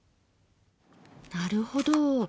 なるほど。